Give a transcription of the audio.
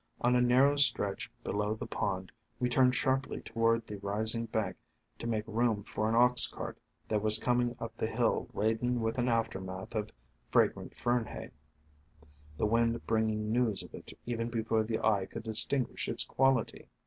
On a narrow stretch below the pond we turned sharply toward the rising bank to make room for an ox cart that was coming up the hill laden with an aftermath of fragrant Fern hay, the wind bringing news of it even before the eye could distinguish its quality.